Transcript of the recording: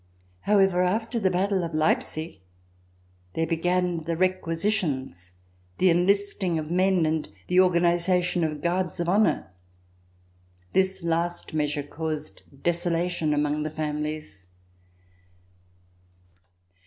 However, after the Battle of Leipsic, there began the requisitions, the enlisting of men and the organi zation of Guards of Honor. This last measure caused desolation among the families.